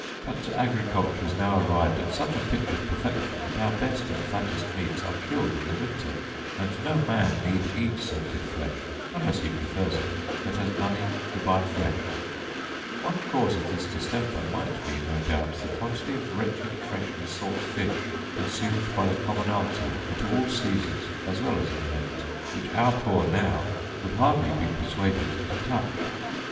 But agriculture is now arrived at such a pitch of perfection, that our best and fattest meats are killed in the winter; and no man need eat salted flesh, unless he prefers it, that has money to buy fresh. Viz. Six hundred bacons, eighty carcasses of beef, and six hundred muttons. One cause of this distemper might be, no doubt, the quantity of wretched fresh and salt fish consumed by the commonalty at all seasons as well as in Lent; which our poor now would hardly be persuaded to touch.